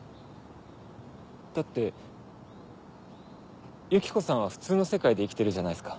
だってユキコさんは普通の世界で生きてるじゃないっすか。